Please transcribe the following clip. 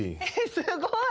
すごい。